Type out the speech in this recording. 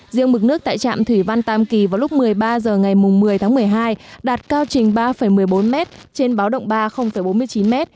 riêng mực nước tại trạm thủy văn tam kỳ vào lúc một mươi ba h ngày một mươi tháng một mươi hai đạt cao trình ba một mươi bốn m trên báo động ba bốn mươi chín m